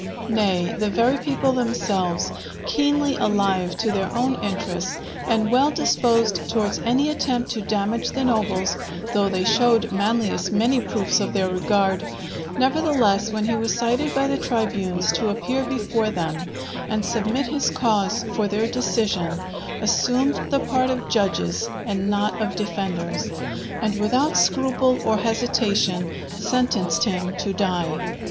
Nay the very people themselves, keenly alive to their own interests, and well disposed towards any attempt to damage the nobles, though they showed Manlius many proofs of their regard, nevertheless, when he was cited by the tribunes to appear before them and submit his cause for their decision, assumed the part of judges and not of defenders, and without scruple or hesitation sentenced him to die.